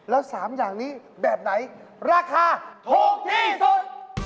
แล้ว๓อย่างนี้แบบไหนราคาถูกที่สุด